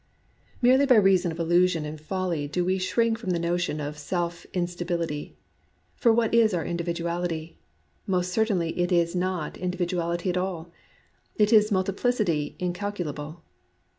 Merely by reason of illusion and folly do we shrink from the notion of self instability. For what is our individuality ? Most certainly it is not individuality at all: it is multiplicity incalculable.